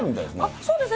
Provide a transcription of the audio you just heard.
そうですかね。